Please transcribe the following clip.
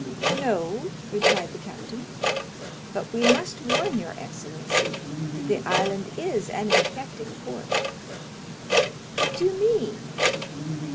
"No." replied the captain, "but we must warn your excellency that the island is an infected port." "What do you mean?"